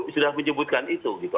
sudah menyebutkan itu gitu